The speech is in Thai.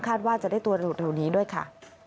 คาดว่าจะได้ตัวตรงนี้ด้วยค่ะ